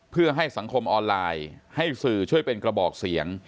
เพื่อให้สังคมออนไลน์ให้สื่อช่วยเป็นกระบอกเสียง